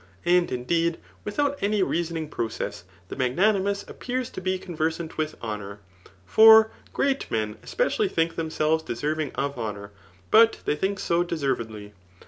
And indeed, withovt any reasoning process, the magnanimous appear ^ to be conversant with honour ; for great men espeaHly think diemselves deserving of honour ; ))ut they think so deservedly.